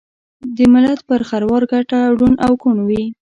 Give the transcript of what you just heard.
دملت پر خروار ګټه ړوند او کوڼ وي